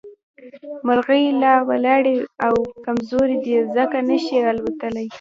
مرغۍ لا وړې او کمزورې دي ځکه نه شي اوتلې